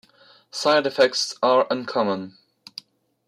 Side effects are uncommon.